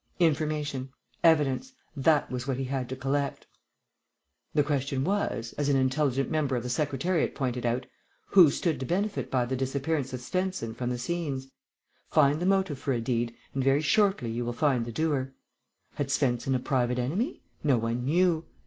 Information; evidence; that was what he had to collect. The question was, as an intelligent member of the Secretariat pointed out, who stood to benefit by the disappearance of Svensen from the scenes? Find the motive for a deed, and very shortly you will find the doer. Had Svensen a private enemy? No one knew.